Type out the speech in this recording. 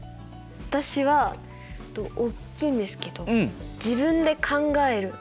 私は大きいんですけど「自分で考える」。